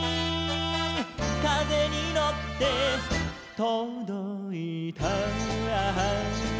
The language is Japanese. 「かぜにのってとどいた」